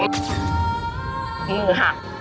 มือหัก